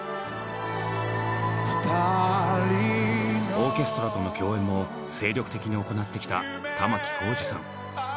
オーケストラとの共演も精力的に行ってきた玉置浩二さん。